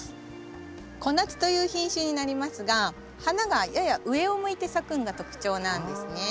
小夏という品種になりますが花がやや上を向いて咲くのが特徴なんですね。